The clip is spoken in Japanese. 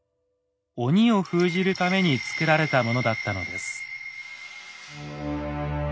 鬼を封じるために作られたものだったのです。